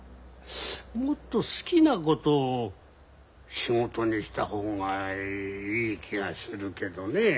もっと好きなことを仕事にした方がいい気がするけどねえ。